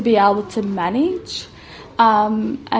hanya untuk bisa menguruskan